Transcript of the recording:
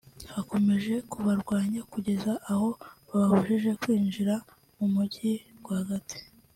bakomeje kubarwanya kugeza aho bababujije kwinjira mu mujyi rwagati